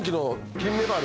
金メバル！